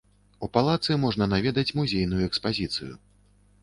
У палацы можна наведаць музейную экспазіцыю.